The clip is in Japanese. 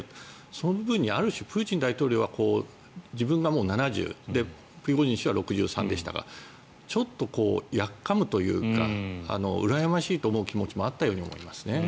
その部分に、ある種プーチン大統領は自分がもう７０プリゴジン氏は６３でしたがちょっとやっかむというかうらやましいと思う気持ちもあったでしょうね。